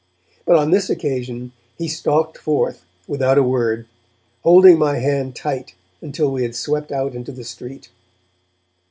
But on this occasion he stalked forth without a word, holding my hand tight until we had swept out into the street.